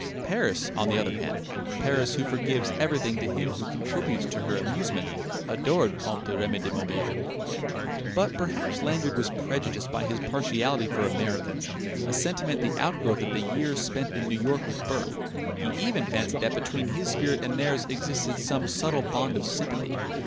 Paris, on the other hand Paris who forgives everything to him who contributes to her amusement adored Comte Remy de Morbihan ... But perhaps Lanyard was prejudiced by his partiality for Americans, a sentiment the outgrowth of the years spent in New York with Bourke. He even fancied that between his spirit and theirs existed some subtle bond of sympathy.